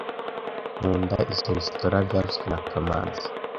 Nkunda izoi resitora byavuzwe na kamanzi